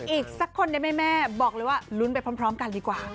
อีกสักคนได้ไหมแม่บอกเลยว่าลุ้นไปพร้อมกันดีกว่า